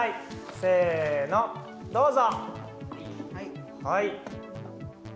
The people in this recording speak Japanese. せーの、どうぞ！